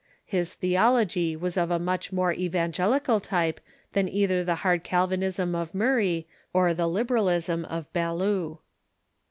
His theology was of a much more evangelical type than either the hard Calvinism of Murray or the liberalism of Ballou.